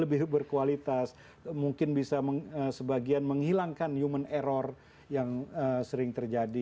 lebih berkualitas mungkin bisa sebagian menghilangkanusstent area yang sering terjadi